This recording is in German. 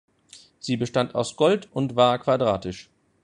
Sie bestand aus Gold und war quadratisch.